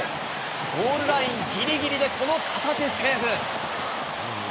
ゴールラインぎりぎりでこの片手セーブ。